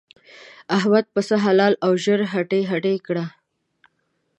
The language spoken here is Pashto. احمد پسه حلال او ژر هنډي هنډي کړ.